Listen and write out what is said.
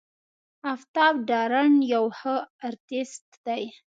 آفتاب تارڼ یو ښه آرټسټ دی.